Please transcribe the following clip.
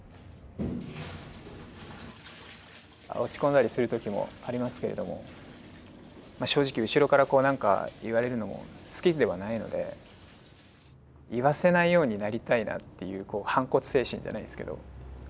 落ち込んだりする時もありますけれどもまあ正直後ろからこう何か言われるのも好きではないので言わせないようになりたいなっていう反骨精神じゃないですけど。